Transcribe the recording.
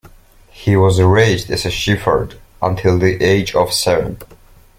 He was raised as a shepherd until the age of seven.